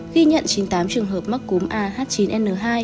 ghi nhận chín mươi tám trường hợp mắc cúm ah chín n hai